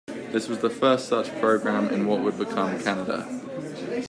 This was the first such programme in what would become Canada.